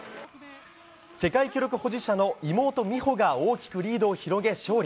世界記録保持者の妹・美帆が大きくリードを広げ勝利。